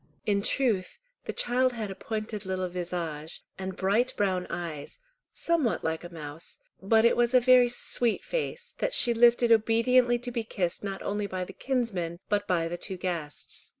In truth the child had a pointed little visage, and bright brown eyes, somewhat like a mouse, but it was a very sweet face that she lifted obediently to be kissed not only by the kinsman, but by the two guests.